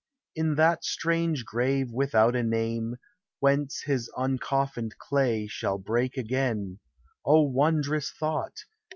In that strange grave without a name, Whence his uncoffined clay Shall break again O wondrous thought!